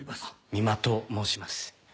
三馬と申します。